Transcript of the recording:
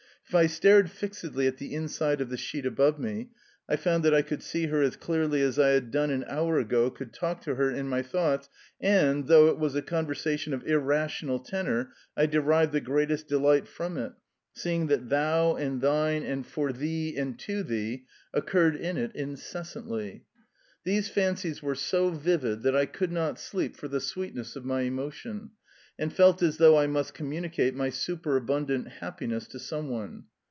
If I stared fixedly at the inside of the sheet above me I found that I could see her as clearly as I had done an hour ago could talk to her in my thoughts, and, though it was a conversation of irrational tenor, I derived the greatest delight from it, seeing that "THOU" and "THINE" and "for THEE" and "to THEE" occurred in it incessantly. These fancies were so vivid that I could not sleep for the sweetness of my emotion, and felt as though I must communicate my superabundant happiness to some one.